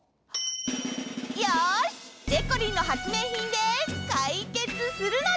よし！でこりんの発明品でかいけつするのだ！